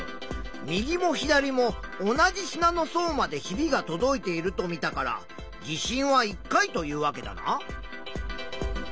右も左も同じ砂の層までひびがとどいていると見たから地震は１回というわけだな。